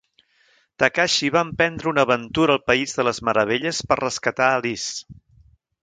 Takashi va emprendre una aventura al país de les meravelles per rescatar a Alice.